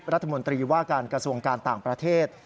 รัฐมนตรีว่าการกระทรวงการต่างประเทศ